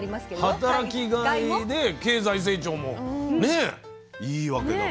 「働きがいで経済成長も」いいわけだから。